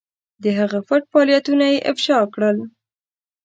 د هغه پټ فعالیتونه یې افشا کړل.